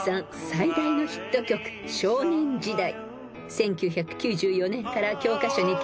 最大のヒット曲『少年時代』］